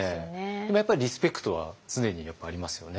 でもやっぱりリスペクトは常にありますよね。